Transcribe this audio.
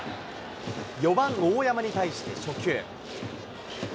４番大山に対して初球。